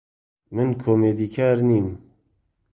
من کۆمیدیکار نیم.